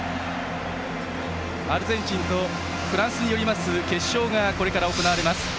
アルゼンチンとフランスによります決勝がこれから行われます。